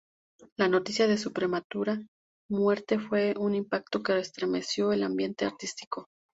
La noticia de su prematura muerte fue un impacto que estremeció al ambiente artístico.